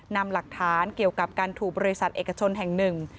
นำหลักฐานเกี่ยวกับการถูกบริษัทเอกชนแห่งหนึ่ง